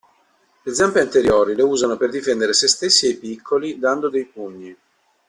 Le zampe anteriori le usano per difendere sé stessi e i piccoli dando dei pugni.